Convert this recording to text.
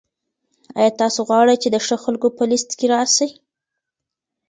آیا تاسو غواړئ چي د ښه خلکو په لیست کي راسئ؟